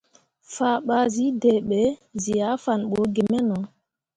Fah ɓa zǝ deɓe zǝ ah fan bu gimeno.